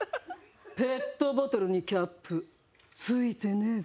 ペットボトルにキャップ付いてねえぜ。